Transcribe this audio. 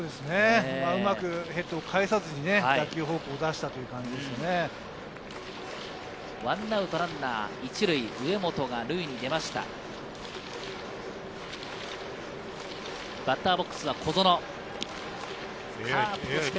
うまくヘッドを返さずに打球方向に出したということですね。